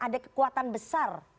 ada kekuatan besar